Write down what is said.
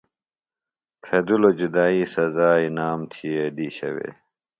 پھیدِلوۡ جدائی سزا انعام تھیئے دیشہ وے۔